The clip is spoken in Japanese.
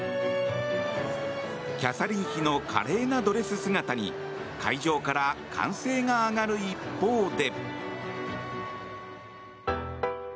キャサリン妃の華麗なドレス姿に会場から歓声が上がる一方で。